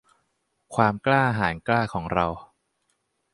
ความกล้าหาญกล้าของเรา